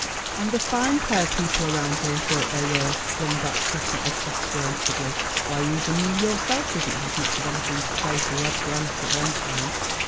"And a fine pair people around here thought they were," flung back Hooker exasperatedly. "Why, even you, yourself, didn't have much of anything to say for Rod Grant at one time."